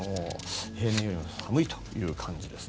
平年より寒いという感じです。